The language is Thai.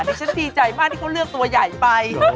ดีฉันดีใจมากที่เขาเลือกตัวใหญ่ไป